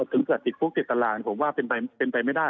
ถึงเกิดติดคุกติดตารางผมว่าเป็นไปไม่ได้